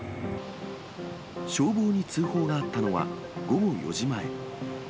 消防に通報があったのは午後４時前。